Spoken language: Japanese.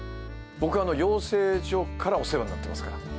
僕は養成所からお世話になってますから。